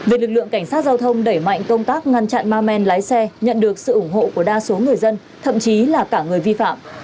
việc lực lượng cảnh sát giao thông đẩy mạnh công tác ngăn chặn ma men lái xe nhận được sự ủng hộ của đa số người dân thậm chí là cả người vi phạm